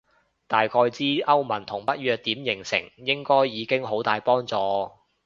大概知歐盟同北約點形成應該已經好大幫助